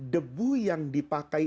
debu yang dipakai